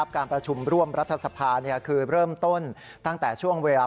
การประชุมร่วมรัฐสภาคือเริ่มต้นตั้งแต่ช่วงเวลา